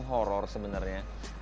film horror sebenarnya